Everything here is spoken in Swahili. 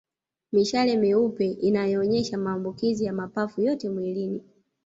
Mishale meupe inayoonyesha maambukizi ya mapafu yote mawili